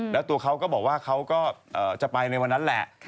แล้วตัวเขาก็บอกว่าเขาก็จะไปในวันนั้นแหละ